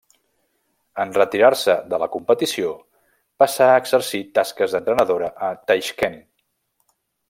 En retirar-se de la competició passà a exercir tasques d'entrenadora a Taixkent.